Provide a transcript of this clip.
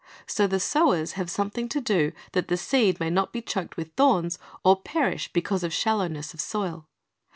So the sowers have something to do that the seed may not be choked with thorns or perish because of shallowness of soil.